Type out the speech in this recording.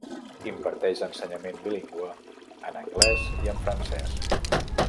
Imparteix ensenyament bilingüe en anglès i en francès.